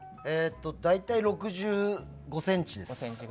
大体６５ｃｍです。